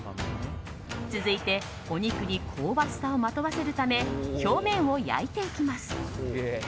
続いてお肉に香ばしさをまとわせるため表面を焼いていきます。